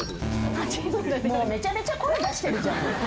もうめちゃめちゃ声に出してるじゃん。